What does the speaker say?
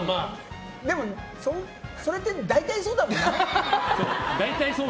でも、それって大体そうだけどな。